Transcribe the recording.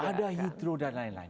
ada hidro dan lain lain